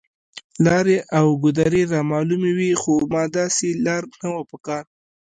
لارې او ګودرې رامعلومې وې، خو ما داسې لار نه وه په کار.